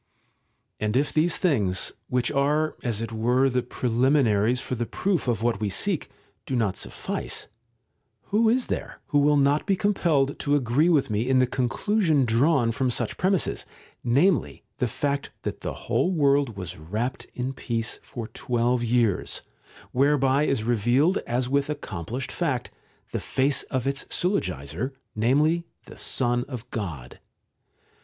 § 9 And if these things, which are as it were the pre liminaries for the proof of what we seek, do not suffice, who is there who will not be compelled to agree with me in the conclusion drawn from such premisses, namely the fact that the whole world was wrapped in peace for twelve years, whereby is revealed, as with accomplished fact, the face of its Syllogizer, namely the Son of God